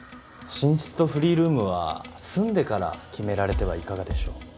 寝室とフリールームは住んでから決められてはいかがでしょう？